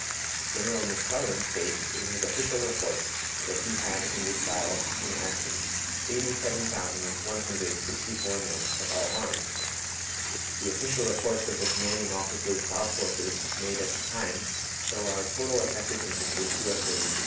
General McClellan states, in his official report, that he had in this battle, in action, 87,164 men of all arms. The official reports of the commanding officers of our forces, made at the time, show our total effective infantry to have been 27,255.